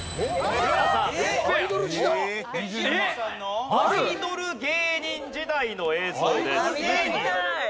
宇治原さんのアイドル芸人時代の映像です。